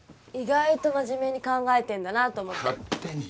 意外と真面目に考えてんだなと思って。